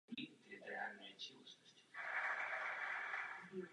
Pracoval tehdy jako profesor ruského gymnázia v Prešově.